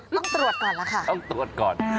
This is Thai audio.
ต้องตรวจก่อนล่ะค่ะต้องตรวจก่อน